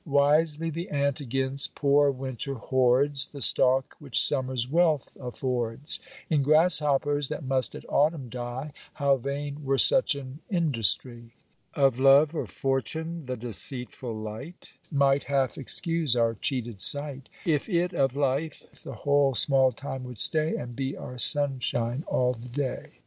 Wisely the ant against poor winter hoards The stock which summer's wealth affords ; In grasshoppers, that must at autumn die, How vain were such an industry ! Of love or fortune the deceitful light Might half excuse our cheated sight, If it of life the whole small time would stay, And be our sunshine all the day.